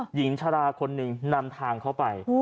หญิงชะลาคนหนึ่งนำทางเข้าไป